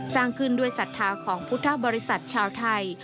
สร้างขึ้นด้วยศรัทธาของพุทธบริษัทชาวไทย